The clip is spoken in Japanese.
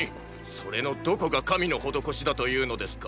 それのどこが神の施しだというのですか。